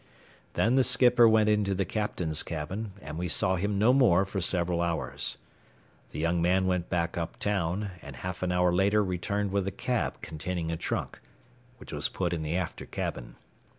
Then the skipper went into the captain's cabin, and we saw him no more for several hours. The young man went back up town, and half an hour later returned with a cab containing a trunk, which was put in the after cabin.